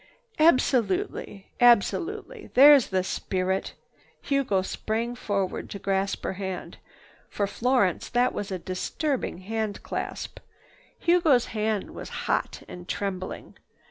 "Absolutely! Absolutely! That's the spirit!" Hugo sprang forward to grasp her hand. For Florence that was a disturbing handclasp. Hugo's hand was hot and trembling.